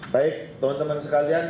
baik teman teman sekalian